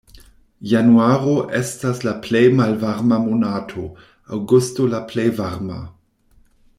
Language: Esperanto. Januaro estas la plej malvarma monato, aŭgusto la plej varma.